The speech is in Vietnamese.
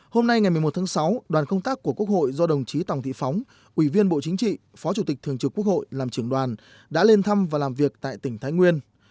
hôm nay ngày một mươi một tháng sáu đoàn công tác của quốc hội do đồng chí tòng thị phóng ủy viên bộ chính trị phó chủ tịch thường trực quốc hội làm trưởng đoàn đã lên thăm và làm việc tại tỉnh thái nguyên